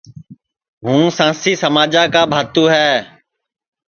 ہُوں سانٚسی سماجا کا بھاتُو ہے